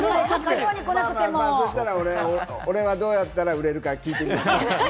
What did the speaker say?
そしたら俺は、どうやったら売れるか聞いてみるよ。